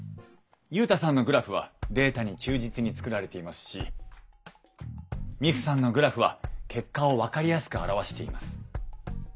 ユウタさんのグラフはデータに忠実に作られていますしミクさんのグラフは結果を分かりやすく表しています。